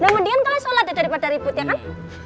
mendingan kalian sholat ya daripada ribut ya kan